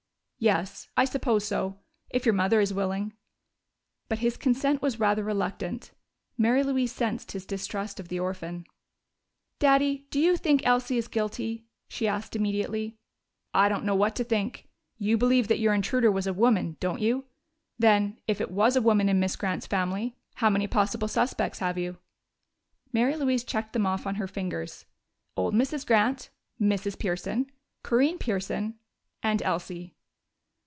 "Yes, I suppose so if your mother is willing." But his consent was rather reluctant; Mary Louise sensed his distrust of the orphan. "Daddy, do you think Elsie is guilty?" she asked immediately. "I don't know what to think. You believe that your intruder was a woman, don't you? Then, if it was a woman in Miss Grant's family, how many possible suspects have you?" Mary Louise checked them off on her fingers. "Old Mrs. Grant, Mrs. Pearson, Corinne Pearson and Elsie."